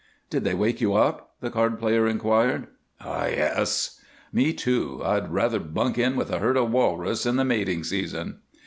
"Did they wake you up?" the card player inquired. "Yes." "Me, too. I'd rather bunk in with a herd of walrus in the mating season."